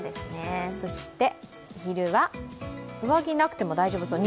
そして昼は上着なくても大丈夫そう。